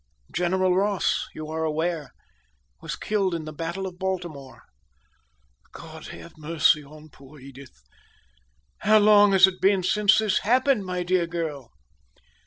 General Ross, you are aware, was killed in the battle of Baltimore." "God have mercy on poor Edith! How long has it been since, this happened, my dear girl?"